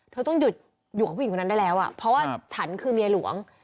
เธอต้องหยุดอยู่กับผู้หญิงคนนั้นได้แล้วเพราะว่าฉันคือเมียหลวง